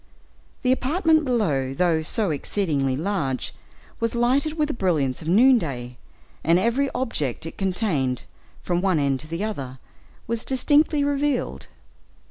The apartment below, though so exceedingly large, was lighted with the brilliance of noon day; and every object it contained; from one end to the other, was distinctly revealed.